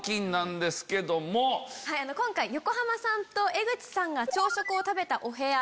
今回横浜さんと江口さんが朝食を食べたお部屋。